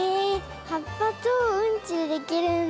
はっぱとうんちでできるんだ。